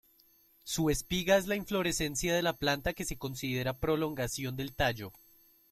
Su espiga es la inflorescencia de la planta que se considera prolongación del tallo.